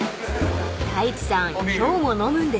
［太一さん